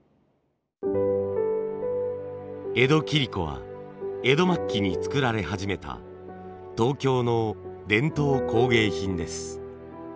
江戸切子は江戸末期に作られ始めた東京の伝統工芸品です。